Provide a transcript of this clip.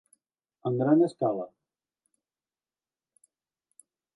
En gran escala.